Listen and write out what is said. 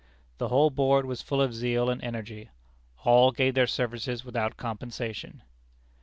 The whole Board was full of zeal and energy. All gave their services without compensation.